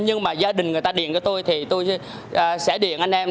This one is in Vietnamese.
nhưng mà gia đình người ta điện cho tôi thì tôi sẽ điện anh em